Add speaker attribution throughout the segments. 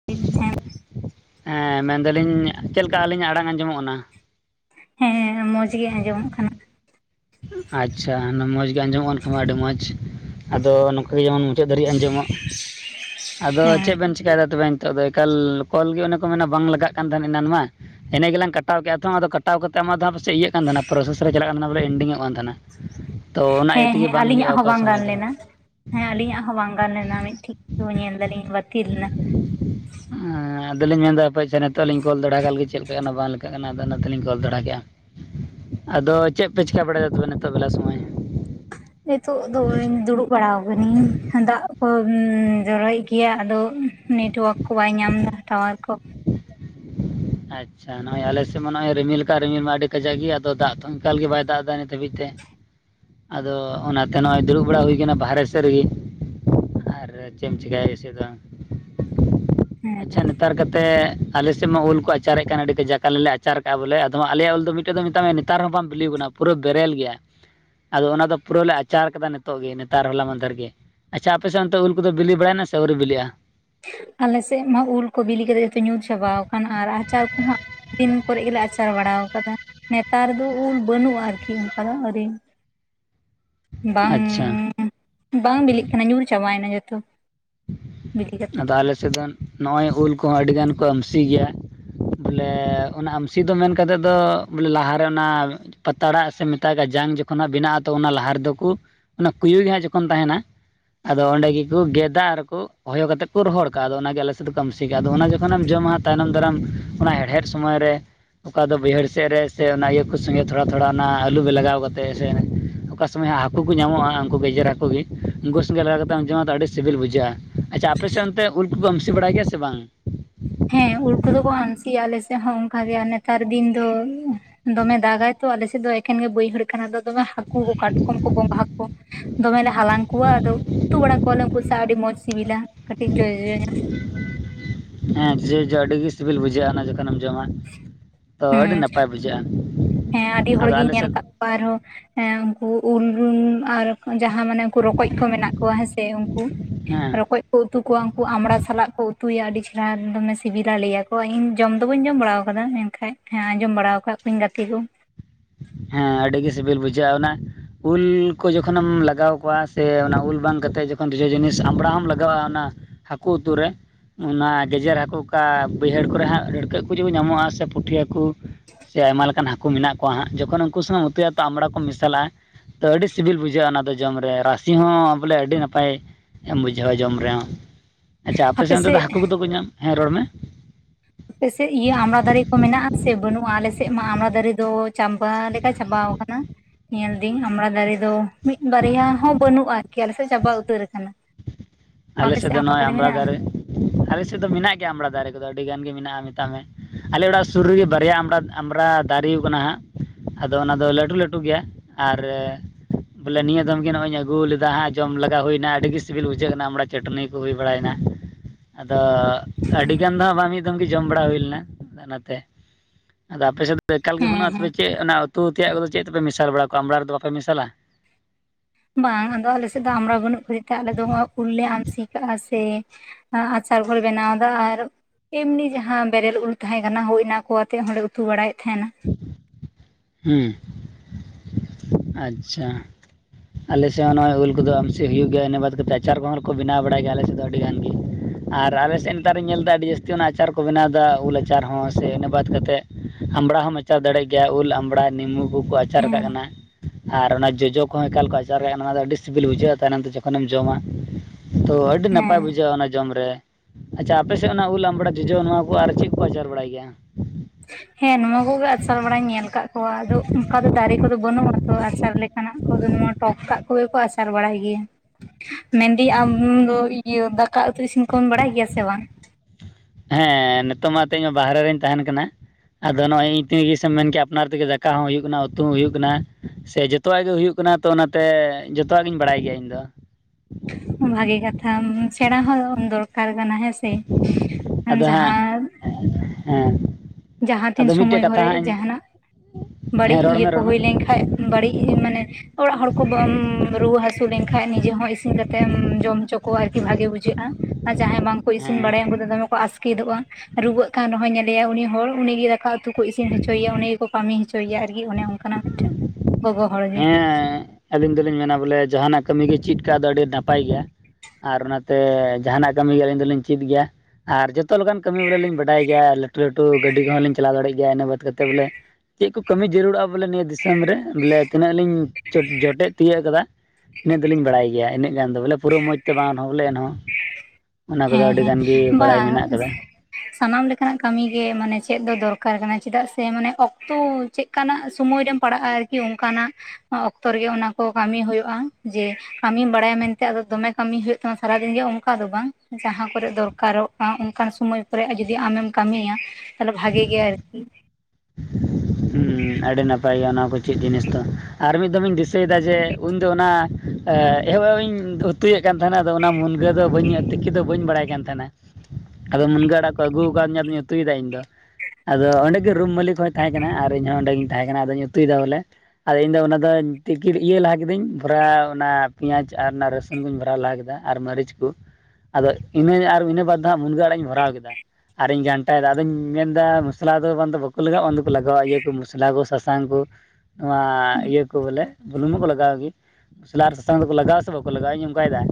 Speaker 1: [unintelligible]
Speaker 2: ᱦᱮᱸ ᱢᱮᱱ ᱫᱟᱞᱤᱧ ᱪᱮᱫ ᱞᱮᱠᱟ ᱟᱹᱞᱤᱧ ᱟᱲᱟᱝ ᱟᱸᱡᱚᱢᱚᱜ ᱠᱟᱱᱟ
Speaker 1: ᱦᱮᱸ ᱢᱚᱸᱡᱽ ᱜᱮ ᱟᱸᱡᱚᱢᱚᱜ ᱠᱟᱱᱟ
Speaker 2: ᱟᱪᱪᱷᱟ ᱢᱚᱸᱡᱽ ᱜᱮ ᱟᱸᱡᱚᱢᱚᱜ ᱠᱟᱱ ᱠᱷᱟᱱ ᱢᱟ ᱟᱹᱰᱤ ᱢᱚᱸᱡᱽ ᱟᱫᱚ ᱱᱚᱝᱠᱟ ᱜᱮ ᱡᱮᱢᱚᱱ ᱢᱩᱪᱟᱹᱫ ᱫᱷᱟᱹᱨᱤᱡ ᱟᱸᱡᱚᱢᱚᱜ ᱟᱫ
Speaker 1: ᱦᱮᱸ
Speaker 2: ᱪᱮᱫ ᱵᱮᱱ ᱪᱤᱠᱟᱭ ᱫᱟ ᱛᱚᱵᱮ ᱱᱤᱛᱚᱜ ᱫᱚ ᱮᱠᱟᱞ ᱠᱚᱞ ᱜᱮ ᱠᱚ ᱢᱮᱱᱟ ᱵᱟᱝ ᱞᱟᱜᱟᱜ ᱠᱟᱱ ᱛᱟᱦᱮᱱ ᱮᱱᱟᱱ ᱢᱟ ᱤᱱᱟᱹ ᱜᱮᱞᱟᱝ ᱠᱟᱴᱟᱣ ᱠᱮᱫᱼᱟ ᱛᱚ ᱟᱫᱚ ᱠᱟᱴᱟᱣ ᱠᱟᱛᱮ ᱟᱫᱚᱜ ᱯᱟᱥᱮᱤᱭᱤᱭᱟᱹ ᱠᱟᱱ ᱛᱟᱦᱮᱱᱟ ᱯᱨᱚᱥᱮᱥ ᱨᱮ ᱪᱟᱞᱟᱜ ᱛᱟᱦᱮᱱᱟ ᱵᱚᱞᱮ ᱮᱱᱰᱤᱝ ᱚᱜ ᱠᱟᱱ ᱛᱟᱦᱮᱱᱟ ᱛᱚ ᱚᱱᱟ ᱤᱭᱟᱹ
Speaker 1: ᱦᱮᱸ
Speaker 2: ᱛᱮᱜᱮ
Speaker 1: ᱦᱮᱸ
Speaker 2: ᱵᱟᱝ
Speaker 1: ᱟᱹᱞᱤᱧᱟᱜ
Speaker 2: ᱦᱩᱭᱩᱜᱼᱟ
Speaker 1: ᱦᱚᱸ
Speaker 2: ᱚᱠᱟ
Speaker 1: ᱵᱟᱝ ᱜᱟᱱ
Speaker 2: ᱥᱚᱢᱚᱭ ᱫᱚ
Speaker 1: ᱞᱮᱱᱟ ᱦᱮᱸ ᱟᱹᱞᱤᱧᱟᱜ ᱦᱚᱸ ᱵᱟᱝ ᱜᱟᱱ ᱞᱮᱱᱟ ᱢᱤᱫᱴᱷᱮᱱ ᱧᱮᱞ ᱫᱟᱞᱤᱧ ᱵᱟᱛᱤᱞ ᱞᱮᱱᱟ
Speaker 2: [unintelligible] ᱟᱫᱚᱞᱧ ᱢᱮᱱᱮᱫᱫᱟ ᱟᱯᱮ ᱟᱪᱷᱟ ᱱᱤᱛᱚᱜ ᱞᱤᱧ ᱠᱚᱞ ᱫᱟᱲᱲᱟ ᱟᱠᱟᱫ ᱜᱮ ᱪᱮᱫ ᱞᱮᱠᱟ ᱠᱟᱱᱟ ᱵᱟᱝᱠ ᱞᱮᱠᱟ ᱠᱟᱱᱟ ᱟᱫᱚ ᱚᱱᱟᱛᱮᱞᱤᱧ ᱠᱚᱞ ᱛᱟᱲᱟ ᱠᱮᱼᱟ ᱟᱫᱚ ᱪᱮᱫ ᱯᱮ ᱪᱤᱠᱟᱹ ᱵᱟᱲᱟᱭ ᱫᱟ ᱛᱚᱵᱮ ᱱᱤᱛᱳᱜ ᱵᱮᱞᱟ ᱥᱚᱢᱳᱭ
Speaker 1: ᱱᱤᱛᱚᱜ ᱫᱚ ᱤᱧ ᱫᱩᱲᱩᱵ ᱵᱟᱲᱟ ᱟᱠᱟᱱᱤᱧ ᱫᱟᱜ ᱠᱚ ᱡᱚᱨᱚᱭᱮᱫ ᱜᱮᱭᱟ ᱟᱫᱚ ᱱᱮᱴᱳᱣᱟᱨᱠ ᱠᱚ ᱵᱟᱭ ᱧᱟᱢ ᱫᱟ ᱴᱟᱣᱟᱨ ᱠᱚ
Speaker 2: ᱟᱪᱪᱷᱟ ᱱᱚᱜ ᱚᱚᱭ ᱟᱞᱮᱥᱮᱫ ᱢᱟ ᱱᱚᱜ ᱚᱚᱭ ᱨᱤᱢᱤᱞ ᱠᱟᱜ ᱨᱤᱢᱤᱞ ᱢᱟ ᱟᱹᱰᱤ ᱠᱟᱡᱟᱜ ᱜᱮ ᱫᱟᱜ ᱫᱚ ᱮᱠᱟᱞ ᱜᱮ ᱵᱟᱭ ᱫᱟᱜ ᱮᱫᱟ ᱱᱤᱛ ᱦᱟᱹᱵᱤᱡ ᱛᱮ ᱟᱫᱚ ᱚᱱᱟᱛᱮ ᱱᱚᱜᱼᱚᱭ ᱫᱩᱲᱩᱵ ᱵᱟᱲᱟ ᱦᱩᱭᱠᱟᱱᱟ ᱵᱟᱨᱦᱮ ᱥᱮᱫ ᱨᱮᱜᱮ ᱟᱨ ᱪᱮᱫ ᱮᱢ ᱪᱠᱟᱭᱟ ᱥᱮᱫ
Speaker 1: ᱦᱮᱸ
Speaker 2: ᱟᱪᱪᱷᱟ ᱱᱮᱛᱟᱨ ᱠᱟᱛᱮ ᱟᱞᱮ ᱥᱮᱫ ᱢᱟ ᱩᱞ ᱠᱚ ᱟᱪᱟᱨᱮᱫ ᱠᱟᱱ ᱟᱹᱰᱤ ᱡᱟᱠᱟᱞᱮ ᱟᱪᱟᱨ ᱠᱟᱜᱼᱟ ᱵᱚᱞᱮ ᱟᱫᱚ ᱟᱞᱮ ᱩᱞ ᱫᱚ ᱢᱤᱫᱴᱮᱱ ᱫᱚ ᱢᱮᱛᱟᱜ ᱢᱮᱭᱟ ᱱᱮᱛᱟᱨ ᱦᱚᱸ ᱵᱟᱢ ᱵᱤᱞᱤ ᱟᱠᱟᱱᱟ ᱯᱩᱨᱟᱹ ᱵᱮᱨᱮᱞ ᱜᱮᱭᱟ᱾ ᱟᱫᱚ ᱚᱱᱟ ᱫᱚ ᱯᱩᱨᱟᱹ ᱞᱮ ᱟᱪᱟᱨ ᱠᱟᱫᱟ, ᱱᱤᱛᱚᱜ ᱜᱮ ᱱᱮᱛᱟᱨ ᱦᱚᱞᱟ ᱢᱟᱫᱷᱮᱨ ᱜᱮ ᱟᱪᱪᱷᱟ ᱟᱯᱮ ᱥᱮᱫ ᱛᱚ ᱩᱞ ᱠᱚᱫᱚ ᱵᱤᱞᱤ ᱵᱟᱲᱟᱭᱱᱟ ᱥᱮ ᱟᱹᱣᱨᱤ ᱵᱤᱞᱤᱼᱟ?
Speaker 1: ᱟᱞᱮ ᱥᱮᱫ ᱢᱟ ᱩᱞ ᱠᱚ ᱵᱤᱞᱤ ᱠᱟᱛᱮᱜ ᱡᱚᱛᱚ ᱧᱩᱨ ᱪᱟᱵᱟᱣ ᱟᱠᱟᱱᱟ ᱟᱨ ᱟᱪᱟᱨ ᱠᱚ ᱦᱟᱸᱜ ᱫᱤᱱ ᱠᱚᱨᱮ ᱜᱮᱞᱮ ᱟᱪᱟᱨ ᱵᱟᱲᱟ ᱟᱠᱟᱫᱟ᱾ ᱱᱮᱛᱟᱨ ᱫᱚ ᱩᱞ ᱵᱟᱹᱱᱩᱜᱼᱟ ᱟᱨᱠᱤ ᱚᱱᱠᱟ ᱫᱚ ᱟᱹᱣᱨᱤ ᱵᱟᱝᱻ
Speaker 2: ᱟᱪᱪᱷᱟ
Speaker 1: ᱵᱟᱝ ᱵᱤᱞᱤᱜ ᱠᱟᱱᱟ ᱧᱩᱨ ᱪᱟᱵᱟᱭᱮᱱᱟ ᱡᱷᱚᱛᱚ᱾
Speaker 2: ᱟᱫᱚ ᱟᱞᱮ ᱥᱮᱫ ᱫᱚ ᱱᱚᱜᱼᱚᱭ ᱩᱞ ᱠᱚᱦᱚᱸ ᱟᱹᱰᱤ ᱜᱟᱱ ᱠᱚ ᱟᱢᱥᱤᱭ ᱜᱮᱭᱟ ᱵᱚᱞᱮ ᱚᱱᱟ ᱟᱢᱥᱤ ᱫᱚ ᱢᱮᱱ ᱠᱟᱛᱮᱫ ᱫᱚ ᱵᱚᱞᱮ ᱞᱟᱦᱟᱨᱮ ᱚᱱᱟ ᱯᱟᱛᱲᱟᱜ ᱥᱮ ᱢᱮᱛᱟ ᱜᱟ ᱡᱟᱝ ᱡᱚᱠᱷᱚᱱᱟᱜ ᱵᱮᱱᱟᱜᱼᱟ ᱛᱚ ᱚᱱᱟ ᱞᱟᱦᱟ ᱨᱮᱫᱚ ᱠᱩ ᱚᱱᱟ ᱠᱩᱭᱩ ᱜᱮ ᱦᱟᱸᱜ ᱡᱚᱠᱷᱚᱱ ᱛᱟᱦᱮᱱᱟ ᱟᱫᱚ ᱚᱸᱰᱮ ᱜᱮᱠᱩ ᱜᱮᱫ ᱫᱟᱜ ᱨᱮᱠᱚ ᱦᱚᱭᱚ ᱠᱟᱛᱮ ᱠᱚ ᱨᱚᱦᱚᱲ ᱠᱟᱜᱼᱟ ᱟᱨ ᱠᱩ ᱦᱚᱭᱚ ᱠᱟᱛᱮ ᱠᱩ ᱨᱚᱦᱚᱲ ᱠᱟᱜ ᱟ ᱟᱫᱚ ᱚᱱᱟᱜᱮ ᱟᱞᱮ ᱥᱮᱫ ᱫᱚ ᱠᱩ ᱟᱢᱥᱤ ᱠᱟᱜᱼᱟ ᱟᱫᱚ ᱚᱱᱟ ᱡᱚᱠᱷᱚᱱᱮᱢ ᱡᱚᱢᱟ ᱦᱟᱜ ᱛᱟᱭᱱᱚᱢ ᱫᱟᱨᱟᱢ ᱚᱱᱟ ᱦᱮᱲᱦᱮᱫ ᱥᱚᱢᱚᱭ ᱨᱮ ᱚᱠᱟ ᱫᱚ ᱵᱟᱹᱭᱦᱟᱹᱲ ᱥᱮᱫ ᱨᱮ ᱥᱮ ᱚᱱᱟ ᱤᱭᱟᱹ ᱩᱱᱠᱩ ᱥᱚᱸᱜᱮ ᱛᱷᱚᱲᱟ ᱛᱷᱚᱲᱟ ᱚᱱᱟ ᱟᱹᱞᱩ ᱜᱮ ᱞᱟᱜᱟᱣ ᱠᱟᱛᱮᱫ ᱥᱮ ᱚᱠᱟ ᱥᱚᱢᱚᱭ ᱦᱟᱜ ᱦᱟᱠᱩ ᱧᱟᱢᱟᱜ ᱟ ᱩᱱᱠᱩ ᱜᱮᱡᱮᱨ ᱦᱟᱠᱩ ᱜᱮ ᱩᱱᱠᱩ ᱥᱚᱸᱜᱮ ᱥᱟᱞᱟᱜ ᱞᱟᱜᱟᱣ ᱠᱟᱛᱮᱢ ᱡᱚᱢᱟ ᱫᱚ ᱟᱹᱰᱤ ᱥᱤᱵᱤᱞ ᱵᱩᱡᱷᱟᱹᱜᱼᱟ ᱟᱪᱪᱷᱟ ᱟᱯᱮᱥᱮᱫ ᱚᱱᱛᱮ ᱩᱞ ᱠᱚᱯᱮ ᱟᱢᱥᱤ ᱵᱟᱲᱟᱭ ᱜᱮᱭᱟ ᱥᱮ ᱵᱟᱝ?
Speaker 1: ᱦᱮᱸ ᱩᱞ ᱠᱩᱫᱚ ᱠᱚ ᱟᱢᱥᱭᱟ ᱟᱞᱮ ᱥᱮᱫ ᱦᱚᱸ ᱚᱱᱠᱟᱜ ᱜᱮ ᱱᱮᱛᱟᱨ ᱫᱤᱱ ᱫᱚ ᱩᱸ ᱦᱩᱸ ᱫᱚᱢᱮ ᱫᱟᱜᱟᱭ ᱛᱚ ᱟᱞᱮᱥᱮᱫ ᱫᱚ ᱮᱠᱮᱱ ᱜᱮ ᱵᱟᱹᱭᱦᱟᱹᱲ ᱠᱟᱱᱟ ᱫᱚ ᱫᱚᱢᱮ ᱦᱟᱹᱠᱩ ᱠᱟᱴᱠᱚᱢ ᱠᱚ ᱜᱚᱝᱦᱟ ᱠᱩ ᱫᱚᱢᱮ ᱞᱮ ᱦᱟᱞᱟᱝ ᱠᱚᱣᱟ ᱟᱫᱚ ᱩᱛᱩ ᱵᱟᱲᱟ ᱠᱚᱣᱟᱞᱮ ᱩᱱᱠᱩ ᱟᱹᱰᱤ ᱢᱚᱸᱡᱽ ᱥᱤᱵᱤᱞᱟ ᱠᱟᱹᱴᱤᱡ ᱡᱚᱡᱚ ᱧᱚᱜ᱾
Speaker 2: ᱦᱮᱸ ᱡᱚ ᱡᱚ ᱟᱹᱰᱤ ᱜᱮ ᱥᱤᱵᱤᱞ ᱵᱩᱡᱷᱟᱹᱜᱼᱟ ᱚᱱᱟ ᱡᱚᱠᱷᱚᱱ ᱡᱚᱢᱟᱜ ᱛᱚ
Speaker 1: ᱦᱮᱸ
Speaker 2: ᱟᱹᱰᱤ ᱱᱟᱯᱟᱭ ᱵᱩᱡᱷᱟᱹᱜᱼᱟ᱾
Speaker 1: ᱦᱮᱸ ᱟᱹᱰᱤ
Speaker 2: ᱟᱫᱚ
Speaker 1: ᱦᱚᱲᱜᱤᱧ
Speaker 2: ᱟᱞᱮ
Speaker 1: ᱧᱮᱞ
Speaker 2: ᱥᱮᱫ
Speaker 1: ᱟᱠᱟᱫ ᱠᱚᱣᱟ ᱟᱨᱦᱚᱸ ᱦᱮᱸ ᱩᱱᱠᱩ ᱩᱞ ᱨᱩᱢ ᱟᱨ ᱡᱟᱸᱦᱟ ᱢᱟᱱᱮ ᱩᱱᱠᱩ ᱨᱚᱠᱚᱡ ᱠᱚ ᱢᱮᱱᱟᱜ ᱠᱚᱣᱟ ᱦᱮᱸᱥᱮ ᱩᱱᱠᱩ
Speaker 2: ᱦᱮᱸ
Speaker 1: ᱨᱚᱠᱚᱡ ᱠᱚ ᱩᱛᱩ ᱠᱚᱣᱟ ᱩᱱᱠᱩ ᱟᱢᱲᱟ ᱥᱟᱞᱟᱜ ᱠᱚ ᱠᱚ ᱩᱛᱩᱭᱟ ᱟᱹᱰᱤ ᱪᱮᱦᱨᱟ ᱫᱚᱢᱮ ᱥᱤᱵᱤᱞᱟ ᱞᱟᱹᱭ ᱟᱠᱚ ᱤᱧ ᱡᱚᱢ ᱫᱚ ᱵᱟᱹᱧ ᱡᱚᱢ ᱵᱟᱲᱟ ᱟᱠᱟᱫᱟ ᱮᱸ ᱠᱷᱟᱡ ᱦᱮᱸ ᱟᱸᱡᱚᱢ ᱵᱟᱲᱟ ᱟᱠᱟᱫ ᱠᱚᱣᱟᱹᱧ ᱜᱟᱛᱮ ᱠᱚ᱾
Speaker 2: ᱦᱮᱸ ᱟᱹᱰᱤ ᱜᱮ ᱥᱤᱵᱤᱞ ᱵᱩᱡᱷᱟᱹᱜᱼᱟ ᱚᱱᱟ ᱩᱞ ᱠᱚ ᱡᱚᱠᱷᱚᱱᱮᱢ ᱞᱟᱜᱟᱣ ᱠᱚᱣᱟ ᱥᱮ ᱚᱱᱟ ᱩᱞ ᱵᱟᱝ ᱠᱟᱛᱮᱫ ᱡᱚᱠᱷᱚᱱ ᱡᱚᱡᱚ ᱡᱤᱱᱤᱥ ᱟᱢᱵᱽᱲᱟ ᱦᱚᱸᱢ ᱞᱟᱜᱟᱣᱟᱜᱼᱟ ᱚᱱᱟ ᱦᱟᱹᱠᱩ ᱩᱛᱩ ᱨᱮ, ᱚᱱᱟ ᱜᱮᱡᱮᱨ ᱦᱟᱹᱠᱩ ᱚᱠᱟ ᱵᱟᱹᱭᱦᱟᱹᱲ ᱠᱚᱨᱮ ᱦᱟᱸᱜ ᱰᱟᱹᱲᱠᱟᱹᱜ ᱯᱩᱴᱷᱤ ᱠᱩ ᱟᱢᱚᱜᱼᱟ ᱥᱮ ᱯᱩᱴᱷᱤ ᱦᱟᱹᱠᱩ, ᱥᱮ ᱟᱭᱢᱟ ᱞᱮᱠᱟᱱ ᱦᱟᱹᱠᱩ ᱢᱮᱱᱟᱜ ᱠᱚᱣᱟ ᱦᱟᱸᱜ ᱡᱚᱠᱷᱚᱱ ᱩᱱᱠᱩ ᱥᱚᱸᱜᱮ ᱮᱢ ᱩᱛᱩᱭᱟ ᱛᱚ ᱟᱢᱲᱟ ᱠᱚ ᱢᱮᱥᱟᱞᱟᱜᱼᱟ, ᱛᱚ ᱟᱹᱰᱤ ᱥᱤᱵᱤᱞ ᱵᱩᱡᱷᱟᱹᱜᱼᱟ ᱚᱱᱟ ᱫᱚ ᱡᱚᱢ ᱨᱮ ᱨᱟᱥᱤ ᱦᱚᱸ ᱵᱚᱞᱮ ᱟᱹᱰᱤ ᱱᱟᱯᱟᱭ ᱮᱢ ᱵᱩᱡᱷᱟᱹᱣᱟ ᱡᱚᱢ ᱨᱮᱦᱚᱸ ᱟᱪᱪᱷᱟ ᱟᱯᱮ ᱥᱮᱱ ᱚᱱᱛᱮ ᱫᱚ ᱦᱟᱹᱠᱩ ᱠᱚᱫᱚ ᱠᱚ ᱧᱟᱢ ᱦᱮᱸ ᱨᱚᱲ ᱢᱮ
Speaker 1: ᱟᱯᱮᱥᱮᱫ ᱤᱭᱟᱹ ᱟᱢᱲᱟ ᱫᱟᱨᱮ ᱠᱚ ᱢᱮᱱᱟᱜᱼᱟ ᱥᱮ ᱵᱟᱹᱱᱩᱜᱼᱟ ᱟᱞᱮᱥᱮᱜ ᱢᱟ ᱟᱢᱲᱟ ᱫᱟᱨᱮ ᱫᱚ ᱪᱟᱢᱵᱟ ᱞᱮᱠ ᱠᱟ ᱪᱟᱵᱟᱣ ᱠᱟᱱᱟ, ᱧᱮᱞᱫᱟᱹᱧ ᱟᱢᱲᱟ ᱫᱟᱨᱮ ᱫᱚ ᱢᱤᱫ ᱵᱟᱨᱭᱟ ᱦᱚᱸ ᱵᱟᱹᱱᱩᱜᱼᱟ ᱟᱨᱠᱤ ᱟᱞᱮᱥᱮᱫ ᱪᱟᱵᱟ ᱩᱛᱟᱹᱨ ᱟᱠᱟᱱᱟ᱾ ᱟᱯᱮ
Speaker 2: ᱟᱞᱮᱥᱮᱫ
Speaker 1: ᱥᱮᱫ
Speaker 2: ᱫᱚ ᱱᱚᱜᱼᱚᱭ ᱟᱢᱲᱟ
Speaker 1: ᱢᱮᱱᱟᱜᱼᱟ
Speaker 2: ᱫᱟᱨᱮ ᱟᱞᱮ ᱥᱮᱫ ᱫᱚ ᱢᱮᱱᱟᱜ ᱜᱮᱭᱟ ᱟᱢᱲᱟ ᱫᱟᱨᱮ ᱠᱚᱫᱚ ᱟᱹᱰᱤ ᱜᱟᱱ ᱜᱮ ᱢᱮᱱᱟᱜᱼᱟ ᱢᱮᱛᱟᱜ ᱢᱮ᱾ ᱟᱞᱮ ᱚᱲᱟᱜ ᱥᱩᱨ ᱨᱮᱜᱮ ᱵᱟᱨᱭᱟ ᱟᱢᱲᱟ ᱟᱢᱨᱟ ᱫᱟᱨᱮ ᱟᱠᱟᱱᱟ ᱦᱟᱸᱜ, ᱟᱫᱚ ᱚᱱᱟᱫᱚ ᱞᱟᱹᱴᱩ ᱞᱟᱹᱴᱩ ᱜᱮᱭᱟ ᱟᱨ ᱵᱚᱞᱮ ᱱᱤᱭᱟᱹ ᱫᱚᱢ ᱜᱮ ᱱᱚᱜᱼᱚᱭ ᱟᱹᱜᱩ ᱞᱮᱫᱟ ᱦᱟᱸᱜ ᱡᱚᱢ ᱞᱟᱜᱟ ᱦᱩᱭᱱᱟ ᱟᱹᱰᱤ ᱜᱮ ᱥᱤᱵᱤᱞ ᱵᱩᱡᱷᱟᱹᱜ ᱠᱟᱱᱟ ᱟᱢᱲᱟ ᱪᱟᱹᱴᱱᱤ ᱠᱚ ᱦᱩᱭ ᱵᱟᱲᱟᱭ ᱮᱱᱟ ᱟᱫᱚ ᱟᱹᱰᱤᱜᱟᱱ ᱫᱚ ᱦᱟᱸᱜ ᱵᱟᱝ ᱢᱤᱫ ᱫᱚᱢ ᱜᱮ ᱡᱚᱢ ᱵᱟᱲᱟ ᱦᱩᱭ ᱞᱮᱱᱟ ᱚᱱᱟᱛᱮ ᱟᱫᱚ ᱟᱯᱮ ᱥᱮᱫ ᱫᱚ ᱮᱠᱟᱞ ᱜᱮ
Speaker 1: ᱦᱮᱸ
Speaker 2: ᱵᱟᱹᱱᱩᱜᱼᱟ
Speaker 1: ᱦᱮᱸ
Speaker 2: ᱥᱮ ᱪᱮᱫ ᱚᱱᱟ ᱩᱛ ᱛᱩ ᱛᱮᱭᱟᱜ ᱠᱚᱫᱚ ᱪᱮᱫ ᱛᱮᱯᱮ ᱢᱮᱥᱟᱞ ᱵᱟᱲᱟ ᱠᱚᱣᱟ ᱟᱢᱲᱟ ᱨᱮᱫᱚ ᱵᱟᱯᱮ ᱢᱮᱥᱟᱞᱟ?
Speaker 1: ᱵᱟᱝ ᱟᱫᱚ ᱟᱞᱮ ᱥᱮᱫ ᱫᱚ ᱟᱢᱲᱟ ᱵᱟᱹᱱᱩᱜ ᱠᱷᱟᱹᱛᱤᱨ ᱛᱮ ᱟᱞᱮ ᱫᱚ ᱩᱞ ᱞᱮ ᱟᱢᱥᱤ ᱠᱟᱜᱼᱟ ᱥᱮ ᱟᱪᱟᱨ ᱠᱚᱞᱮ ᱵᱮᱱᱟᱣ ᱮᱫᱟ ᱟᱨ ᱮᱢᱱᱤ ᱡᱟᱦᱟᱸ ᱵᱮᱨᱮᱞ ᱩᱞ ᱛᱟᱦᱮᱸ ᱠᱟᱱᱟ ᱦᱳᱭ ᱚᱱᱟᱠᱚ ᱟᱛᱮᱫ ᱦᱚᱸᱞᱮ ᱩᱛᱩ ᱵᱟᱲᱟᱭᱮᱫ ᱛᱟᱦᱮᱱᱟ᱾
Speaker 2: ᱦᱩᱸ ᱟᱪᱪᱷᱟ᱾ ᱟᱞᱮ ᱥᱮᱫ ᱦᱚᱸ ᱱᱚᱜᱼᱚᱭ ᱩᱞ ᱠᱚᱫᱚ ᱟᱢᱥᱤ ᱦᱩᱭᱩᱜ ᱜᱮᱭᱟ ᱤᱱᱟᱹ ᱵᱟᱫ ᱠᱟᱛᱮ ᱟᱪᱟᱨ ᱠᱚᱦᱚᱸ ᱠᱚ ᱵᱮᱱᱟᱣ ᱵᱟᱲᱟᱭ ᱜᱮᱭᱟ ᱟᱞᱮ ᱥᱮᱫ ᱫᱚ ᱟᱹᱰᱤ ᱜᱟᱱ ᱜᱤ᱾ ᱟᱨ ᱟᱞᱮ ᱥᱮᱫ ᱱᱮᱛᱟᱨᱤᱧ ᱧᱮᱞᱫᱟ ᱟᱹᱰᱤ ᱡᱟᱹᱥᱛᱤ ᱚᱱᱟ ᱟᱪᱟᱨ ᱠᱚ ᱵᱮᱱᱟᱣᱫᱟ ᱩᱞ ᱟᱪᱟᱨ ᱦᱚᱸ ᱥᱮ ᱤᱱᱟᱹ ᱵᱟᱫ ᱠᱟᱛᱮᱫ ᱟᱢᱲᱟ ᱦᱚᱸᱢ ᱟᱪᱟᱨ ᱫᱟᱲᱮᱜ ᱜᱮᱭᱟ ᱩᱞ ᱟᱢᱵᱽᱲᱟ ᱱᱤᱢᱩ ᱠᱚᱠᱚ ᱟᱪᱟᱨ
Speaker 1: ᱦᱮᱸ
Speaker 2: ᱠᱟᱜ ᱠᱟᱱᱟ ᱟᱨ ᱚᱱᱟ ᱡᱚᱡᱚ ᱠᱚᱦᱚᱸ ᱮᱠᱟᱞ ᱠᱚ ᱟᱪᱟᱨᱮᱜᱼᱟ ᱚᱱᱟ ᱫᱚ ᱟᱹᱰᱤ ᱥᱤᱵᱤᱞ ᱵᱩᱡᱷᱟᱹᱜᱼᱟ ᱛᱟᱭᱚᱢ ᱛᱮ ᱡᱚᱠᱷᱚᱱᱮᱢ ᱡᱚᱢᱟ ᱛᱚ ᱟᱹᱰᱤ ᱱᱟᱯᱟᱭ
Speaker 1: ᱦᱮᱸ
Speaker 2: ᱵᱩᱡᱷᱟᱹᱜᱼᱟ ᱚᱱᱟ ᱡᱚᱢ ᱨᱮ ᱟᱪᱷᱟ ᱟᱯᱮᱥᱮᱫ ᱚᱱᱟ ᱩᱞ ᱟᱢᱲᱟ ᱡᱚᱡᱚ ᱱᱚᱣᱟ ᱠᱚ ᱟᱨ ᱪᱮᱫ ᱠᱚ ᱟᱪᱟᱨ ᱵᱟᱲᱟᱭ ᱜᱮᱭᱟ
Speaker 1: ᱦᱮᱸ ᱱᱚᱶᱟ ᱠᱚᱜᱮ ᱟᱪᱟᱨ ᱵᱟᱲᱟᱧ ᱧᱮᱞ ᱟᱠᱟᱫ ᱠᱚᱣᱟ ᱟᱫᱚ ᱚᱱᱠᱟ ᱫᱚ ᱫᱟᱨᱮ ᱠᱚᱫᱚ ᱵᱟᱹᱱᱩᱜ ᱟᱫᱚ ᱟᱪᱟᱨ ᱞᱮᱠᱟ᱾ ᱱᱟᱜ [inaudible] ᱠᱚ ᱫᱚ ᱱᱚᱣᱟ ᱴᱚᱠᱴᱟᱜ ᱠᱚᱜᱮ ᱠᱚ ᱟᱥᱟᱨ ᱵᱟᱲᱟᱭ ᱜᱮᱭᱟ᱾
Speaker 2: ᱦᱩᱸ
Speaker 1: ᱢᱮᱱᱫᱟᱹᱧ ᱟᱢ ᱫᱚ ᱤᱭᱟᱹ ᱫᱟᱠᱟ ᱩᱛᱩ ᱤᱥᱤᱱ ᱠᱚᱢ ᱵᱟᱲᱟᱭ ᱜᱮᱭᱟ ᱥᱮ ᱵᱟᱝ?
Speaker 2: ᱦᱮᱸ ᱱᱤᱛᱚᱜ ᱢᱟ ᱛᱮᱦᱮᱧᱚᱜ ᱵᱟᱦᱨᱮ ᱨᱤᱧ ᱛᱟᱦᱮᱱ ᱠᱟᱱᱟ᱾ ᱟᱫᱚ ᱱᱚᱜᱼᱚᱭ ᱤᱧ ᱛᱤᱜᱤ ᱥᱮᱢ ᱢᱮᱱ ᱠᱮᱭᱟ ᱟᱯᱱᱟᱨ ᱛᱮᱜᱮ ᱫᱟᱠᱟ ᱦᱚᱸ ᱦᱩᱭᱩᱜ ᱠᱟᱱᱟ ᱩᱛᱩ ᱦᱚᱸ ᱦᱩᱭᱩᱜ ᱠᱟᱱᱟ᱾ ᱥᱮ ᱡᱚᱛᱚᱣᱟᱜ ᱜᱮ ᱦᱩᱭᱩᱜ ᱠᱟᱱᱟ ᱛᱚ ᱚᱱᱟᱛᱮ ᱡᱚᱛᱚᱣᱟᱜ ᱜᱤᱧ ᱵᱟᱲᱟᱭ ᱜᱮᱭᱟ ᱤᱧ ᱫᱚ᱾
Speaker 1: ᱵᱷᱟᱜᱤ ᱠᱟᱛᱷᱟ ᱥᱮᱬᱟ ᱦᱚᱸ ᱫᱚᱨᱠᱟᱨ ᱠᱟᱱᱟ ᱦᱮᱸᱥᱮ
Speaker 2: ᱟᱫᱚ ᱦᱟᱸᱜ
Speaker 1: ᱡᱟᱦᱟᱸ
Speaker 2: [unintelligible] ᱦᱮᱸ
Speaker 1: ᱡᱟᱦᱟᱸ ᱛᱤᱱ
Speaker 2: ᱟᱫᱚ ᱢᱤᱫᱴᱮᱡ
Speaker 1: ᱥᱳᱢᱳᱭ
Speaker 2: ᱠᱟᱛᱷᱟ
Speaker 1: ᱜᱚᱨᱮ
Speaker 2: ᱦᱟᱸᱜ ᱤᱧ
Speaker 1: ᱡᱟᱦᱟᱱᱟᱜ ᱵᱟᱹᱲᱤᱡ
Speaker 2: ᱦᱮᱸ ᱨᱚᱲ
Speaker 1: ᱤᱭᱟᱹ
Speaker 2: ᱢᱮ
Speaker 1: ᱠᱚ
Speaker 2: ᱨᱚᱲ ᱢᱮ
Speaker 1: ᱦᱩᱭ ᱞᱮᱱ ᱠᱷᱟᱡ ᱵᱟᱹᱲᱤ ᱤᱡ ᱢᱟᱱᱮ ᱚᱲᱟᱜ ᱦᱚᱲ ᱠᱚ ᱵᱚᱢᱻ ᱨᱩᱣᱟᱹ ᱦᱟᱹᱥᱩ ᱞᱮᱱᱠᱷᱟᱡ ᱱᱤᱡᱮ ᱦᱚᱸ ᱤᱥᱤᱱ ᱠᱟᱛᱮᱫ ᱮᱢᱻ ᱡᱚᱢ ᱦᱚᱪᱚ ᱠᱚᱣᱟ ᱟᱨᱠᱤ ᱵᱷᱟᱜᱮ ᱵᱩᱡᱷᱟᱹᱜᱼᱟ ᱟᱨ ᱡᱟᱦᱟᱸᱭ ᱵᱟᱝ ᱠᱚ ᱤᱥᱤᱱ
Speaker 2: ᱦᱮᱸ
Speaker 1: ᱵᱟᱲᱟᱭᱟ ᱩᱱᱠᱩ ᱫᱚ ᱫᱚᱢᱮ ᱠᱚ ᱟᱥᱠᱮᱫᱚᱜᱼᱟ ᱨᱩᱣᱟᱹᱜ ᱠᱟᱱ ᱨᱮᱦᱚᱭ ᱧᱮᱞᱮᱭᱟ ᱩᱱᱤ ᱦᱚᱲ ᱩᱱᱤᱜᱮ ᱫᱟᱠᱟ ᱩᱛᱩ ᱠᱚ ᱤᱥᱤᱱ ᱦᱚᱪᱚᱭᱮᱭᱟ ᱩᱱᱤ ᱜᱮᱠᱚ ᱠᱟᱹᱢᱤ ᱦᱚᱪᱚᱭᱮᱭᱟ ᱟᱨᱠᱤ ᱚᱱᱮ ᱚᱱᱠᱟᱱᱟᱜ ᱢᱤᱫᱴᱮᱱ ᱜᱚᱜᱚ ᱦᱚᱲ ᱜᱮ
Speaker 2: ᱦᱮᱸᱻ ᱟᱹᱞᱤᱧ ᱫᱚᱞᱤᱧ ᱢᱮᱱᱟ ᱵᱚᱞᱮ ᱡᱟᱦᱟᱱᱟᱜ ᱠᱟᱹᱢᱤ ᱜᱤ ᱪᱮᱫ ᱠᱟᱜ ᱫᱚ ᱟᱹᱰᱤ ᱱᱟᱯᱟᱭ ᱜᱮᱭᱟ ᱟᱨ ᱚᱱᱟᱛᱮ ᱡᱟᱦᱟᱱᱟᱜ ᱠᱟᱹᱢᱤ ᱜᱮ ᱟᱹᱞᱤᱧ ᱫᱚᱞᱤᱧ ᱪᱮᱫᱽ ᱜᱮᱭᱟ᱾ ᱟᱨ ᱡᱚᱛᱚ ᱞᱮᱠᱟᱱ ᱠᱟᱹᱢᱤ ᱵᱚᱞᱮ ᱞᱤᱧ ᱵᱟᱰᱟᱭ ᱜᱮᱭᱟ ᱞᱟᱹᱴᱩ ᱞᱟᱹᱴᱩ ᱜᱟᱹᱰᱤ ᱠᱚᱦᱚᱸᱞᱤᱧ ᱪᱟᱞᱟᱣ ᱫᱟᱲᱮᱭᱟᱜ ᱜᱮᱭᱟ ᱤᱱᱟᱹ ᱵᱟᱫᱽ ᱠᱟᱛᱮᱫ ᱵᱚᱞᱮ ᱪᱮᱫ ᱠᱚ ᱠᱟᱹᱢᱤ ᱡᱟᱹᱨᱩᱲᱚᱜᱼᱟ ᱵᱚᱞᱮ ᱱᱤᱭᱟᱹ ᱫᱤᱥᱚᱢ ᱨᱮ ᱵᱚᱞᱮ ᱛᱤᱱᱟᱹᱜ ᱞᱤᱧ ᱡᱚᱴᱮᱫ ᱛᱤᱭᱳᱜ ᱟᱠᱟᱫᱟ ᱤᱱᱟᱹᱜ ᱫᱚᱞᱤᱧ ᱵᱟᱲᱟᱭ ᱜᱮᱭᱟ ᱤᱱᱟᱹᱜ ᱜᱟᱱ ᱫᱚ ᱵᱚᱞᱮ ᱯᱩᱨᱟᱹ ᱢᱚᱸᱡᱽ ᱛᱮ ᱵᱟᱝ ᱵᱚᱞᱮ ᱮᱱᱦᱚᱸ ᱚᱱᱟ ᱠᱚᱫᱚ
Speaker 1: ᱦᱮᱸ
Speaker 2: ᱟᱹᱰᱤ
Speaker 1: ᱦᱮᱸ
Speaker 2: ᱜᱟᱱ ᱜᱮ ᱵᱟᱲᱟᱭ
Speaker 1: ᱵᱟᱝ
Speaker 2: ᱢᱮᱱᱟᱜ ᱟᱠᱟᱫᱟ
Speaker 1: ᱥᱟᱱᱟᱢ ᱞᱮᱠᱟᱱᱟᱜ ᱠᱟᱹᱢᱤ ᱜᱮ ᱢᱟᱱᱮ ᱪᱮᱫ ᱫᱚ ᱫᱚᱨᱠᱟᱨ ᱠᱟᱱᱟ ᱪᱮᱫᱟᱜ ᱥᱮ ᱢᱟᱱᱮ ᱚᱠᱛᱚ ᱪᱮᱫ ᱚᱱᱠᱟᱱᱟᱜ ᱥᱳᱢᱳᱭ ᱨᱮᱢ ᱯᱟᱲᱟᱜᱼᱟ ᱟᱨᱠᱤ ᱚᱱᱠᱟᱱᱟᱜ ᱚᱠᱛᱚ ᱨᱮᱜᱮ ᱚᱱᱟ ᱠᱚ ᱠᱟᱹᱢᱤ ᱦᱳᱭᱳᱜᱼᱟ ᱡᱮ ᱠᱟᱹᱢᱤᱢ ᱵᱟᱲᱟᱭᱟ ᱢᱮᱱᱛᱮᱫᱚ ᱫᱚᱢᱮ ᱠᱟᱹᱢᱤ ᱦᱩᱭᱩᱜ ᱛᱟᱢᱟ ᱥᱟᱨᱟᱫᱤᱱ ᱜᱮ ᱚᱱᱠᱟ ᱫᱚ ᱵᱟᱝ ᱡᱟᱦᱟᱸ ᱠᱚᱨᱮ ᱫᱚᱨᱠᱟᱨᱚᱜᱼᱟ ᱚᱱᱠᱟᱱ ᱥᱚᱢᱚᱭ ᱠᱚᱨᱮ ᱡᱩᱫᱤ ᱟᱢᱮᱢ ᱠᱟᱹᱢᱤᱭᱟ ᱛᱟᱦᱚᱞᱮ ᱵᱷᱟᱜᱮ ᱜᱮᱭᱟ ᱟᱨᱠᱤ
Speaker 2: ᱦᱩᱹᱻ ᱟᱹᱰᱤ ᱱᱟᱯᱟᱭ ᱜᱮᱭᱟ ᱚᱱᱟ ᱠᱚ ᱪᱮᱫ ᱡᱤᱱᱤᱥ ᱫᱚ ᱟᱨ ᱢᱤᱫ ᱫᱚᱢᱮᱧ ᱫᱤᱥᱟᱹᱭᱮᱫᱟ ᱡᱮ ᱩᱱᱫᱚ ᱚᱱᱟ ᱟᱻ ᱮᱦᱚᱵ ᱮᱦᱚᱵ ᱤᱧ ᱩᱛᱩᱭᱮᱫ ᱠᱟᱱ ᱛᱟᱦᱮᱱᱟ ᱟᱫᱚ ᱚᱱᱟ ᱢᱩᱱᱜᱟᱹ ᱫᱚ ᱵᱟᱹᱧ ᱛᱤᱠᱤ ᱫᱚ ᱵᱟᱹᱧ ᱵᱟᱲᱟᱭ ᱠᱟᱱ ᱛᱟᱦᱮᱱᱟ ᱟᱫᱚ ᱢᱩᱱᱜᱟᱹ ᱟᱲᱟᱜ ᱠᱚ ᱟᱹᱜᱩᱣ ᱠᱟᱣᱫᱤᱧᱟᱹ ᱟᱫᱚᱧ ᱩᱛᱩᱭᱮᱫᱟ ᱤᱧ ᱫᱚ ᱟᱫᱚ ᱚᱸᱰᱮ ᱜᱮ ᱨᱩᱢ ᱢᱟᱹᱞᱤᱠ ᱦᱚᱸᱭ ᱛᱟᱦᱮᱸ ᱠᱟᱱᱟ ᱟᱨ ᱤᱧ ᱦᱚᱸ ᱚᱸᱰᱮ ᱜᱤᱧ ᱛᱟᱦᱮᱸ ᱠᱟᱱᱟ ᱟᱫᱚᱧ ᱩᱛᱩᱭᱮᱫᱟ ᱵᱚᱞᱮ ᱟᱫᱚ ᱤᱧ ᱫᱚ ᱚᱱᱟ ᱫᱚ ᱛᱤᱠᱤ ᱤᱭᱟᱹ ᱞᱟᱦᱟ ᱠᱤᱫᱟᱹᱧ ᱛᱟᱯᱚᱨᱟ [inaudible] ᱚᱱᱟ ᱯᱮᱸᱭᱟᱡ ᱟᱨ ᱚᱱᱟ ᱨᱟᱥᱩᱱ [inaudible] ᱠᱩᱧ [inaudible] ᱵᱷᱚᱨᱟᱣ ᱞᱟᱦᱟ ᱠᱮᱫᱟ ᱟᱨ ᱢᱟᱹᱨᱤᱪ ᱠᱚ ᱟᱫᱚ ᱤᱱᱟᱹ ᱟᱨ ᱤᱱᱟᱹ ᱵᱟᱫᱽ ᱫᱚ ᱦᱟᱸᱜ ᱢᱩᱱᱜᱟᱹ ᱟᱲᱟᱜ ᱤᱧ ᱵᱷᱚᱨᱟᱣ ᱠᱮᱫᱟ᱾ ᱟᱨᱤᱧ ᱜᱷᱟᱱᱴᱟᱭᱮᱫᱟ ᱟᱫᱚᱧ ᱢᱮᱱᱫᱟ ᱢᱚᱥᱞᱟ ᱫᱚ ᱵᱟᱝᱫᱚ ᱵᱟᱠᱚ ᱞᱟᱜᱟᱜᱼᱟ ᱞᱟᱜᱟᱣᱟ ᱤᱛᱟᱹ ᱠᱚ ᱢᱚᱥᱞᱟ ᱠᱚ ᱥᱟᱥᱟᱝ ᱠᱚ ᱱᱚᱶᱟ ᱤᱭᱟᱹ ᱠᱚ ᱵᱚᱞᱮ ᱵᱩᱞᱩᱝ ᱫᱚ ᱠᱚ ᱞᱟᱜᱟᱣ ᱜᱮ ᱥᱩᱞᱟᱨ ᱥᱟᱥᱟᱝ ᱫᱚᱠᱚ ᱞᱟᱜᱟᱣᱟ ᱥᱮ ᱵᱟᱠᱚ ᱞᱟᱜᱟᱣᱟ ᱤᱧ ᱚᱱᱠᱟᱭᱮᱫᱟᱭ